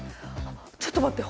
ちょっと待って。